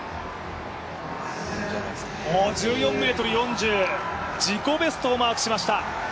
１３ｍ４０、自己ベストをマークしました。